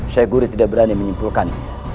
syekh guri tidak berani menyimpulkan